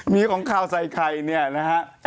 มีของคราวไซคาลนะครับ